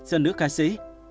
cho nữ ca sĩ